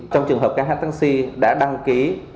trong trường hợp các taxi đã đăng ký